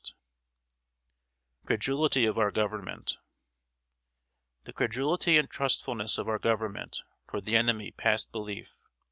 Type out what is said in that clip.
[Sidenote: CREDULITY OF OUR GOVERNMENT.] The credulity and trustfulness of our Government toward the enemy passed belief.